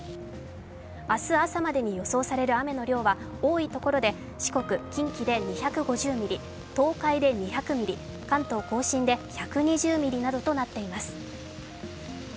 明日朝までに予想される雨の量は多いところで四国、近畿で２５０ミリ、関東甲信で１２０ミリなどとなっています。